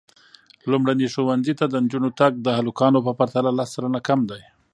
لومړني ښوونځي ته د نجونو تګ د هلکانو په پرتله لس سلنه کم دی.